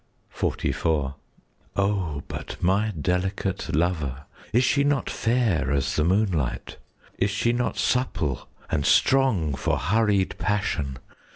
XLIV O but my delicate lover, Is she not fair as the moonlight? Is she not supple and strong For hurried passion?